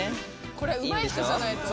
これうまい人じゃないと。